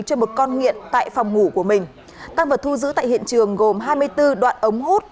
cho một con nghiện tại phòng ngủ của mình tăng vật thu giữ tại hiện trường gồm hai mươi bốn đoạn ống hút